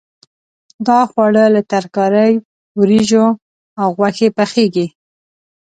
دا خواړه له ترکارۍ، وریجو او غوښې پخېږي.